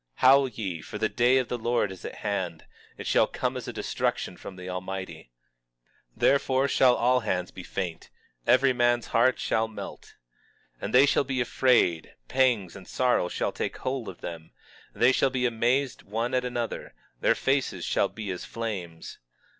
23:6 Howl ye, for the day of the Lord is at hand; it shall come as a destruction from the Almighty. 23:7 Therefore shall all hands be faint, every man's heart shall melt; 23:8 And they shall be afraid; pangs and sorrows shall take hold of them; they shall be amazed one at another; their faces shall be as flames.